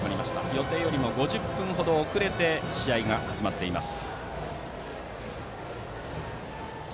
予定よりも５０分程遅れて試合が始まっています。